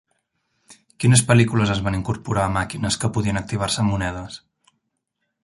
Quines pel·lícules es van incorporar a màquines que podien activar-se amb monedes?